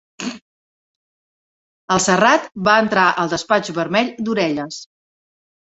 El Serrat va entrar al despatx vermell d'orelles.